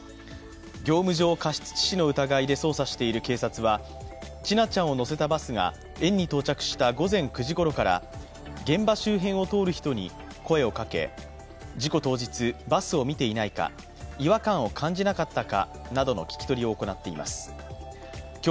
業務上過失致死の疑いで捜査している警察は千奈ちゃんを乗せたバスが園に到着した午前９時ごろから現場周辺を通る人に声をかけ、事故当日、バスを見ていないか、違和感を感じなかったかなどの聞き取りを行っています。